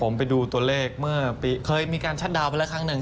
ผมไปดูตัวเลขเมื่อเคยมีการชัดดาวนไปแล้วครั้งหนึ่ง